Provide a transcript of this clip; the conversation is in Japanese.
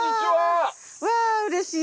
わうれしい！